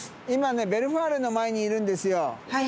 今ねヴェルファーレの前にいるんですよ。